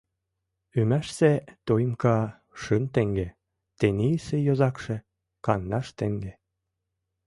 Ӱмашсе тоимка — шым теҥге, тенийысе йозакше — кандаш теҥге.